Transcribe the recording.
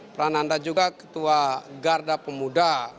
prananda juga ketua garda pemuda